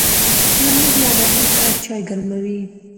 ترموز له نغمو سره چای ګرموي.